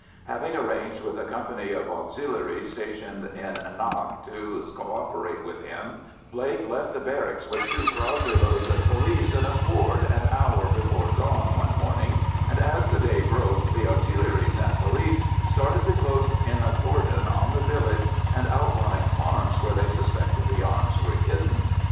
Having arranged with a company of Auxiliaries stationed in Annagh to co operate with him, Blake left the barracks with two Crossley loads of police and a Ford an hour before dawn one morning, and as the day broke the Auxiliaries and police started to close in a cordon on the village and outlying farms where they suspected the arms were hidden.